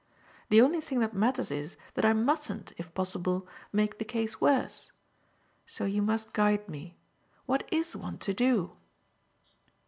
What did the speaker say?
The only thing that matters is that I mustn't, if possible, make the case worse. So you must guide me. What IS one to do?"